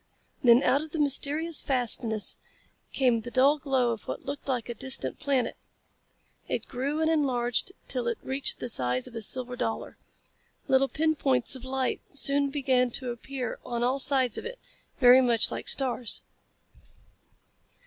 Then out of the mysterious fastness came the dull glow of what looked like a distant planet. It grew and enlarged till it reached the size of a silver dollar. Little pin points of light soon began to appear on all sides of it, very much like stars.